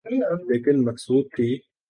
لیکن مقصود تھی۔